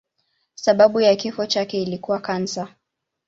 Sababu ya kifo chake ilikuwa kansa.